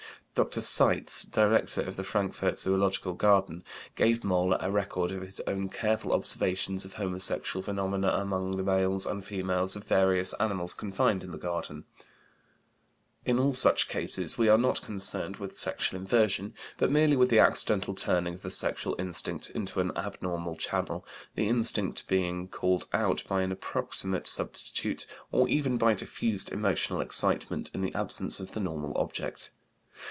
Dr. Seitz, Director of the Frankfurt Zoölogical Garden, gave Moll a record of his own careful observations of homosexual phenomena among the males and females of various animals confined in the Garden (Antelope cervicapra, Bos Indicus, Capra hircus, Ovis steatopyga). In all such cases we are not concerned with sexual inversion, but merely with the accidental turning of the sexual instinct into an abnormal channel, the instinct being called out by an approximate substitute, or even by diffused emotional excitement, in the absence of the normal object.